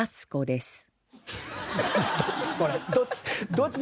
どっち？